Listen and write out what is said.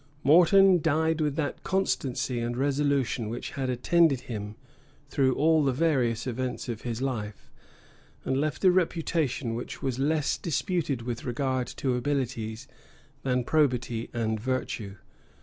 Morton died with that constancy and resolution which had attended him through all the various events of his life; and left a reputation which was less disputed with regard to abilities than probity and virtue.